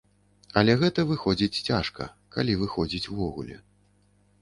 Але гэта выходзіць цяжка, калі выходзіць увогуле.